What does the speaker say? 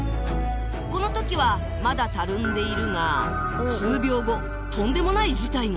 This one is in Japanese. このときはまだたるんでいるが数秒後とんでもない事態が